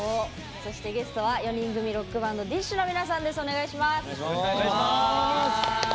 そして、ゲストは４人組ロックバンドＤＩＳＨ／／の皆さんですお願いします。